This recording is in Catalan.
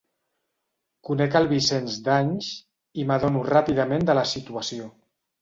Conec el Vicenç d'anys i m'adono ràpidament de la situació.